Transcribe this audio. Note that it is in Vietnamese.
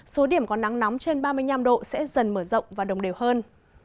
số điểm có nắng nóng trên ba mươi năm độ sẽ dần mở rộng và đồng đều hơn